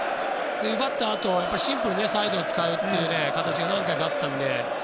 奪ったあとシンプルにサイドを使う形が何回かあったので。